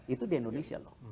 itu di indonesia loh